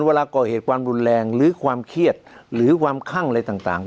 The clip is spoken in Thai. เวลาก่อเหตุความรุนแรงหรือความเครียดหรือความคั่งอะไรต่าง